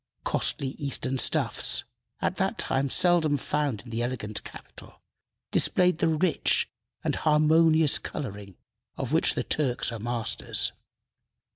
Costly Eastern stuffs, at that time seldom found in the elegant capital, displayed the rich and harmonious coloring of which the Turks are masters.